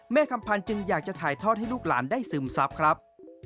คำพันธ์จึงอยากจะถ่ายทอดให้ลูกหลานได้ซึมซับครับ